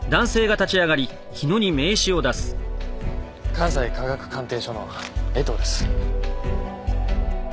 関西科学鑑定所の江藤です。